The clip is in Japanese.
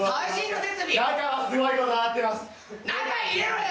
中入れろや！